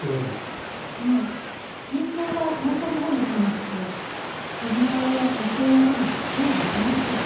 いえ銀行は会社のほうに来ますし車屋や骨董屋との付き合いはありません。